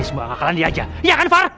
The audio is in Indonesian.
ini semua ngakalan dia aja ya kan far